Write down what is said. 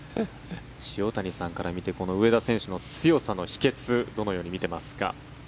塩谷さんから見て上田選手の強さの秘けつどのように見ていますか？